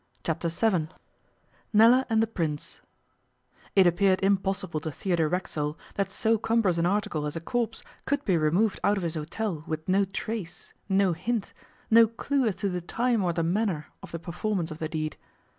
Chapter Seven NELLA AND THE PRINCE IT appeared impossible to Theodore Racksole that so cumbrous an article as a corpse could be removed out of his hotel, with no trace, no hint, no clue as to the time or the manner of the performance of the deed.